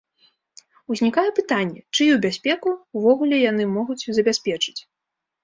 Узнікае пытанне, чыю бяспеку ўвогуле яны могуць забяспечыць?